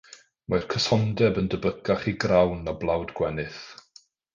Mae'r cysondeb yn debycach i grawn na blawd gwenith.